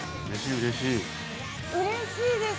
うれしいです。